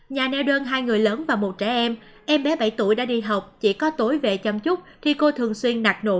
nhà nèo đơn hai người lớn và một trẻ em em bé bảy tuổi đã đi học chỉ có tối về chăm chúc thì cô thường xuyên nạt nộ